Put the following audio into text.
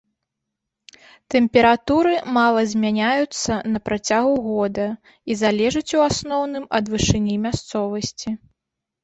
Тэмпературы мала змяняюцца на працягу года і залежаць у асноўным ад вышыні мясцовасці.